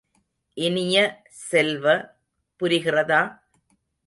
இனிய செல்வ, புரிகிறதா?